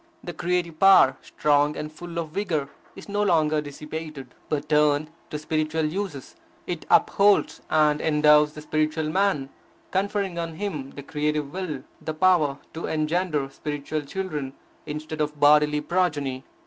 The creative power, strong and full of vigour, is no longer dissipated, but turned to spiritual uses. It upholds and endows the spiritual man, conferring on him the creative will, the power to engender spiritual children instead of bodily progeny.